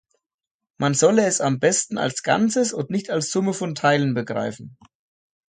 Man solle es am besten als Ganzes und nicht als Summe von Teilen begreifen.